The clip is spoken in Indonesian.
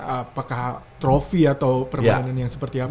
apakah trofi atau permainan yang seperti apa